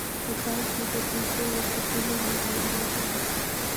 په بانک کې د پیسو ایښودل له غلا مخه نیسي.